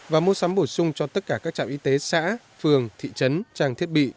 và mua sắm bổ sung cho tất cả các trạm y tế xã phường thị trấn trang thiết bị